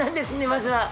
まずは。